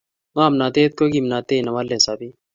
ngomnatet ko kimnatet newalei sapet